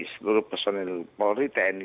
seluruh personil polri tni